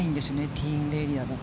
ティーイングエリアだと。